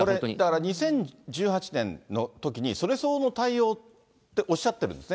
２０１８年のときに、それ相応の対応って、おっしゃってるんですね。